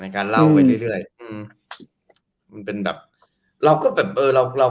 ในการเล่าไปเรื่อย